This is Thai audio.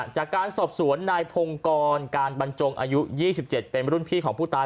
จากการสอบสวนนายพงกรการบรรจงอายุ๒๗เป็นรุ่นพี่ของผู้ตาย